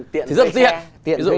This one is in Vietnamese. tiện tươi xe tiện tươi xe